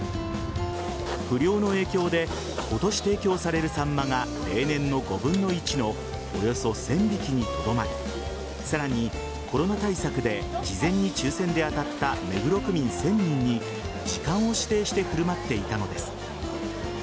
不漁の影響で今年提供されるサンマが例年の５分の１のおよそ１０００匹にとどまりさらにコロナ対策で事前に抽選で当たった目黒区民１０００人に時間を指定して振る舞っていたのです。